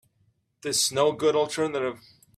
This no good alternative.